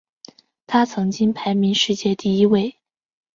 他曾经排名世界第一位。